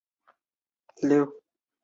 五迁至内阁学士。